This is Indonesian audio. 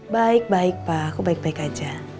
baik baik pak aku baik baik aja